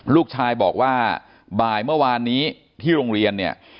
ลูกชายบอกว่าบ่ายเมื่อวานนี้ที่โรงเรียนเนี่ย